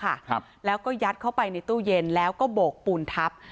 ครับแล้วก็ยัดเข้าไปในตู้เย็นแล้วก็โบกปูนทับ